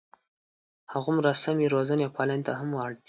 هغومره سمې روزنې او پالنې ته هم اړ دي.